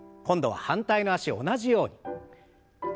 今度は反対の脚を同じように。